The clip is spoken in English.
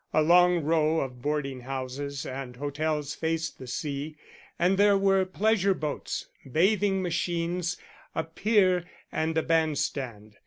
A long row of boarding houses and hotels faced the sea; and there were pleasure boats, bathing machines, a pier and a bandstand.